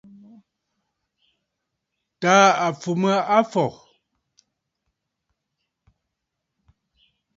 Tàa à fù mə afɔ̀.